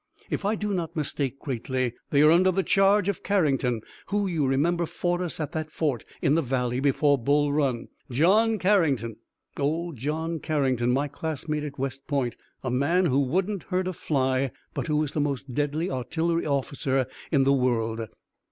If I do not mistake greatly, they are under the charge of Carrington, who, you remember, fought us at that fort in the valley before Bull Run, John Carrington, old John Carrington, my classmate at West Point, a man who wouldn't hurt a fly, but who is the most deadly artillery officer in the world."